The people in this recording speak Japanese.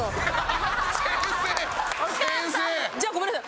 先生！じゃあごめんなさい。